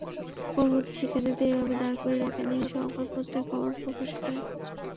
কোমলমতি শিক্ষার্থীদের এভাবে দাঁড় করিয়ে রাখা নিয়ে সংবাদপত্রে খবরও প্রকাশিত হয়।